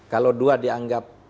kalau dua dianggap